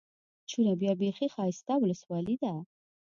چوره بيا بېخي ښايسته اولسوالي ده.